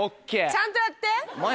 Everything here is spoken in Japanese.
ちゃんとやって。